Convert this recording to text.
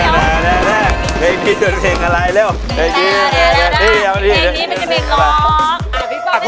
นี่คือเง่นถุกฯ